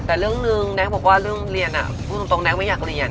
แต่เรื่องนึงแก๊กบอกว่าเรื่องเรียนพูดตรงแน็กไม่อยากเรียน